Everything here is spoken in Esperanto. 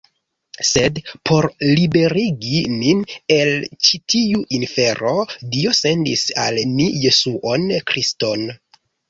Sed por liberigi nin el ĉi tiu infero, Dio sendis al ni Jesuon Kriston.